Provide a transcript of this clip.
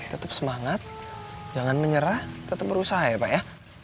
tetep semangat jangan menyerah tetep berusaha ya pak ya